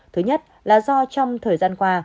thứ nhất là do trong thời gian qua